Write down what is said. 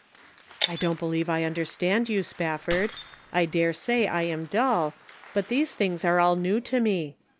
" I don't believe I understand you, Spaf ford ; I dare say I am dull, but these things are all new to me.